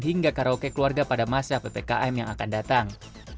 hingga karaoke keluarga pada masa ppkm yang akan datang